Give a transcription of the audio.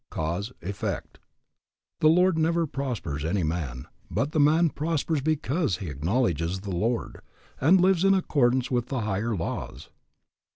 Cause, effect. The Lord never prospers any man, but the man prospers because he acknowledges the Lord, and lives in accordance with the higher laws.